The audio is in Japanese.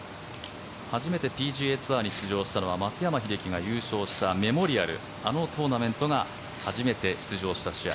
初めてＰＧＡツアーに出場したのは松山英樹が優勝したメモリアルあのトーナメントが初めて出場した試合。